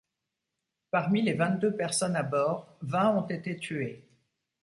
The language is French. Parmi les vingt-deux personnes à bord, vingt ont été tuées.